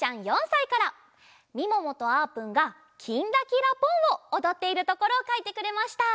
みももとあーぷんが「きんらきらぽん」をおどっているところをかいてくれました。